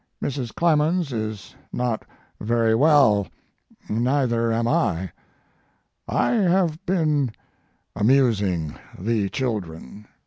"Mrs. Clemens is not very well, neither am I. I have been amusing the children.